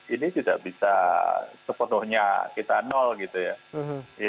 ini tidak bisa sepenuhnya kita nol gitu ya